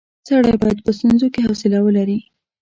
سړی باید په ستونزو کې حوصله ولري.